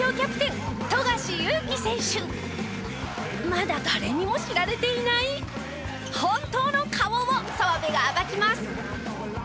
まだ誰にも知られていない本当の顔を澤部が暴きます！